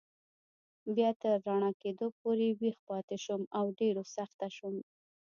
بیا تر رڼا کېدو پورې ویښ پاتې شوم او ډېر و خسته شوم.